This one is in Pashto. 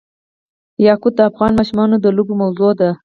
یاقوت د افغان ماشومانو د لوبو موضوع ده.